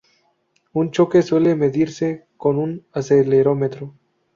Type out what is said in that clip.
Un choque suele medirse con un acelerómetro.